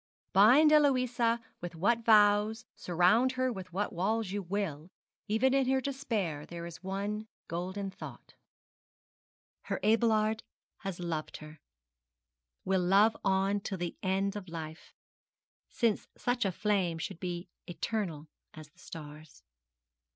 Bind Eloisa with what vows, surround her with what walls you will, even in her despair there is one golden thought: her Abelard has loved her will love on till the end of life since such a flame should be eternal as the stars.